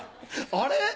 あれ？